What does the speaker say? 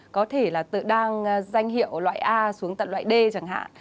có thể là đang danh hiệu loại a xuống tận loại d chẳng hạn